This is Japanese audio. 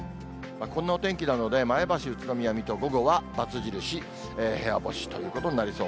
こんなお天気なので、前橋、宇都宮、水戸、午後はバツ印、部屋干しということになりそう。